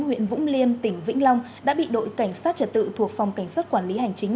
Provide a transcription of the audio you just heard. huyện vũng liêm tỉnh vĩnh long đã bị đội cảnh sát trật tự thuộc phòng cảnh sát quản lý hành chính